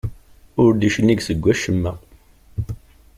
Ur d-yeclig deg wacemma.